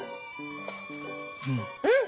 うん！